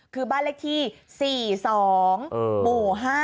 คือบ้านเลขที่๔๒หมู่๕